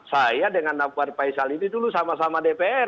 saya dengan nakwar faisal ini dulu sama sama dpr